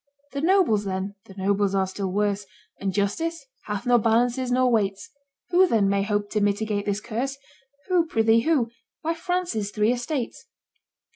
"The nobles, then?" "The nobles are still worse." "And justice?" "Hath nor balances nor weights." "Who, then, may hope to mitigate this curse?" "Who? prithee, who?" "Why, France's three estates."